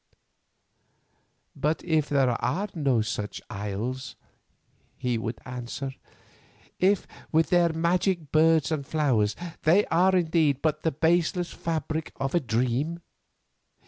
"'But if there are no such isles?' he would answer; 'If, with their magic birds and flowers, they are indeed but the baseless fabric of a dream?